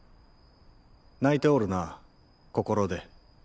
泣いておるな心で。